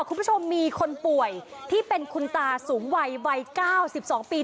คุณผู้ชมมีคนป่วยที่เป็นคุณตาสูงวัยวัย๙๒ปี